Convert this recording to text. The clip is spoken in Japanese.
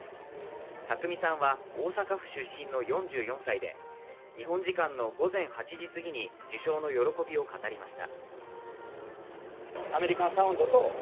宅見さんは大阪府出身の４４歳で日本時間の午前８時過ぎに受賞の喜びを語りました。